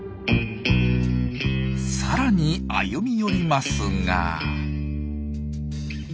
さらに歩み寄りますが。